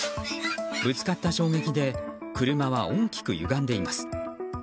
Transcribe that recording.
ぶつかった衝撃で車は大きくゆがんでいます。